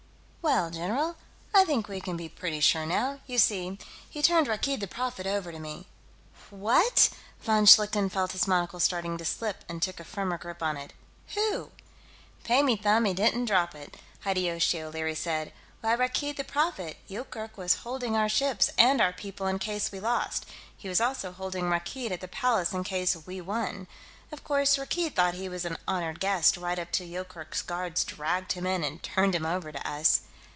"Well, general, I think we can be pretty sure, now. You see, he turned Rakkeed the Prophet over to me...." "What?" Von Schlichten felt his monocle starting to slip and took a firmer grip on it. "Who?" "Pay me, Them; he didn't drop it," Hideyoshi O'Leary said. "Why, Rakkeed the Prophet. Yoorkerk was holding our ships and our people in case we lost; he was also holding Rakkeed at the Palace in case we won. Of course, Rakkeed thought he was an honored guest, right up till Yoorkerk's guards dragged him in and turned him over to us...."